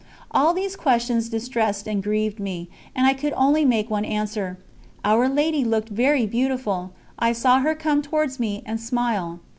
All these questions distressed and grieved me, and I could only make one answer: "Our Lady looked very beautiful; I saw her come towards me and smile."